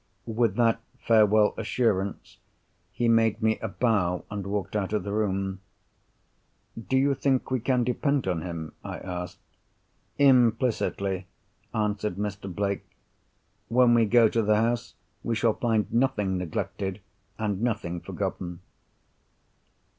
With that farewell assurance, he made me a bow, and walked out of the room. "Do you think we can depend on him?" I asked. "Implicitly," answered Mr. Blake. "When we go to the house, we shall find nothing neglected, and nothing forgotten."